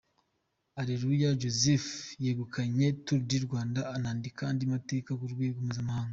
Areruya Joseph yegukanye Tour du Rwanda, anandika andi mateka ku rwego mpuzamahanga.